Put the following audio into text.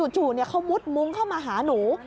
จู่เขามุดมุ้งเข้ามาหาหนู